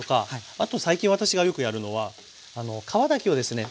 あと最近私がよくやるのは皮だけをですね